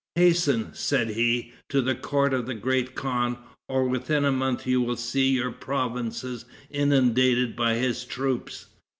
"Hasten," said he, "to the court of the great khan, or within a month you will see your provinces inundated by his troops.